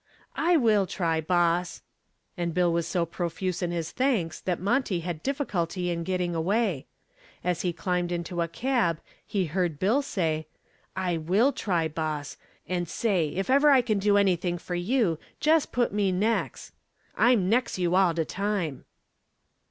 "I will try, boss," and Bill was so profuse in his thanks that Monty had difficulty in getting away; As he climbed into a cab he heard Bill say, "I will try, boss, and say, if ever I can do anything for you jes' put me nex'. I'm nex' you all de time."